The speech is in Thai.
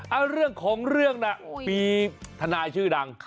เอาเรื่องของเรื่องน่ะมีทนายชื่อดัง